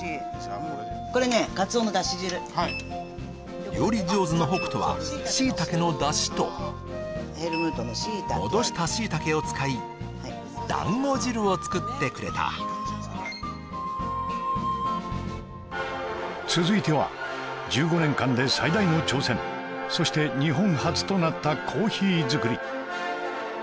これねカツオのだし汁はい料理上手の北斗はシイタケのだしと戻したシイタケを使いだんご汁を作ってくれた続いては１５年間で最大の挑戦そして日本初となったコーヒーづくり